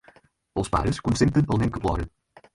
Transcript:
Els pares consenten el nen que plora.